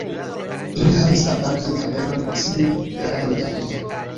Ili havis apartan kapelon proksime de la katolika preĝejo.